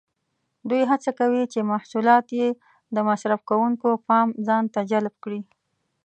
دوی هڅه کوي چې محصولات یې د مصرف کوونکو پام ځانته جلب کړي.